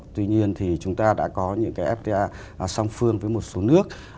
tuy nhiên thì chúng ta đã có những cái fta song phương với một số nước